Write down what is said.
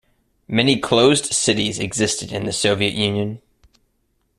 Many closed cities existed in the Soviet Union.